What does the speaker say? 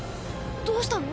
どうしたの？